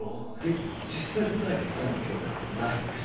実際舞台で２人の共演はないんですよ。